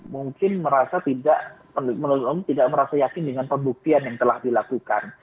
mungkin merasa tidak merasa yakin dengan pembuktian yang telah dilakukan